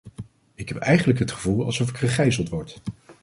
Ik heb eigenlijk het gevoel alsof ik gegijzeld word.